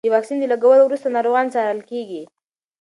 د واکسین د لګولو وروسته ناروغان څارل کېږي.